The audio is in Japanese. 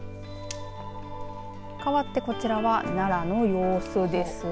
かわってこちらは奈良の様子ですが。